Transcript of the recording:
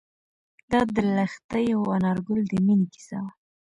دا د لښتې او انارګل د مینې کیسه وه.